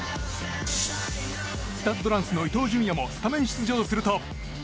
スタッド・ランスの伊東純也もスタメン出場すると。